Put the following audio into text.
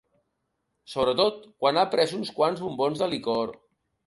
Sobretot quan ha pres uns quants bombons de licor.